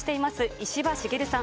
石破茂さん。